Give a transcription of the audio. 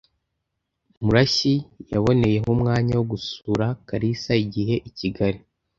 Murashyi yaboneyeho umwanya wo gusura Kalarisa igihe ikigali